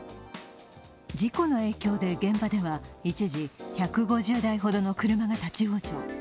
事故の影響で現場では一時１５０台ほどの車が立ち往生。